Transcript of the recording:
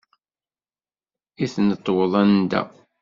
I tneṭweḍ anda?